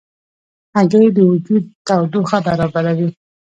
هګۍ د وجود تودوخه برابروي.